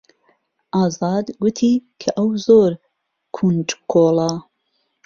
ئازاد گوتی کە ئەو زۆر کونجکۆڵە.